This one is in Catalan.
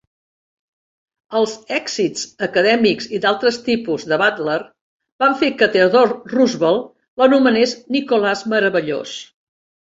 Els èxits acadèmics i d'altres tipus de Butler van fer que Theodore Roosevelt l'anomenés Nicholas Meravellós.